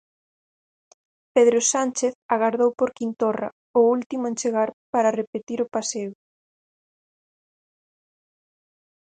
Pedro Sánchez agardou por Quim Torra, o último en chegar, para repetir o paseo.